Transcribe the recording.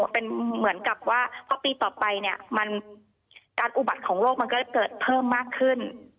เป็นเหมือนกับว่าพอปีต่อไปเนี่ยการอุบัติของโลกมันก็จะเกิดเพิ่มมากขึ้น